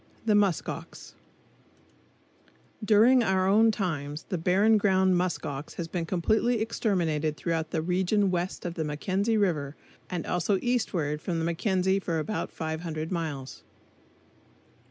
The Musk Ox During our own times, the Barren Ground musk ox has been completely exterminated throughout the region west of the Mackenzie River, and also eastward from the Mackenzie for about 500 miles.